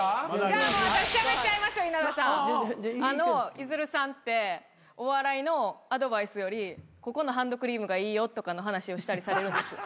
ゆずるさんってお笑いのアドバイスよりここのハンドクリームがいいよとかの話をしたりされるんです。